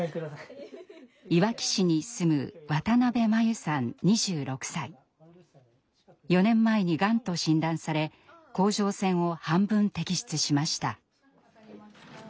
いわき市に住む４年前にがんと診断され甲状腺を半分摘出しました。